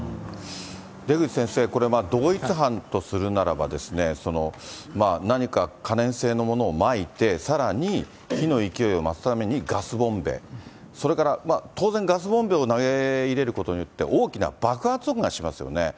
出口先生、これ、同一犯とするならばですね、何か可燃性のものをまいて、さらに、火の勢いを増すためにガスボンベ、それから、当然ガスボンベを投げ入れることによって、大きな爆発音がしますよね。